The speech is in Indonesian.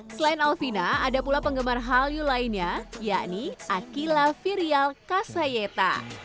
selain alvina ada pula penggemar hallyu lainnya yakni akila viryal kasayeta